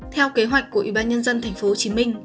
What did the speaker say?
theo kế hoạch của ubnd tp hcm